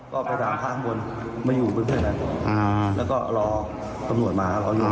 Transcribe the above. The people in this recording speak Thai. ก็ไปถามภาพบนมาอยู่บนเพื่อนแล้วก็รอปรับหนวดมา